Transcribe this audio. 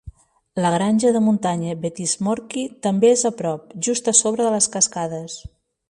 La granja de muntanya Vettismorki també és a prop, just a sobre de les cascades.